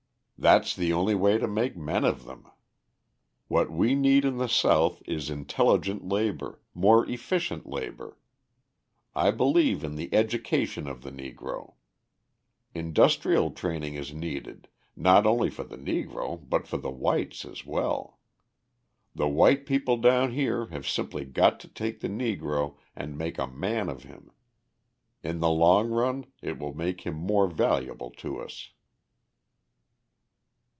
That's the only way to make men of them. "What we need in the South is intelligent labour, more efficient labour. I believe in the education of the Negro. Industrial training is needed, not only for the Negro, but for the whites as well. The white people down here have simply got to take the Negro and make a man of him; in the long run it will make him more valuable to us."